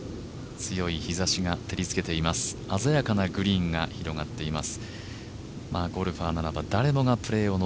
強い日ざしが照りつけています、あざやかなグリーンが広がっています。